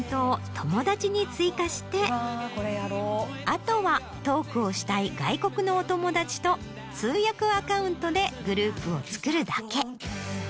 あとはトークをしたい外国のお友達と通訳アカウントでグループを作るだけ。